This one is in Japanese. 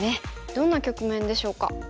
どんな局面でしょうか。